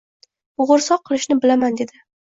Bo`g`irsoq qilishni bilaman, dedi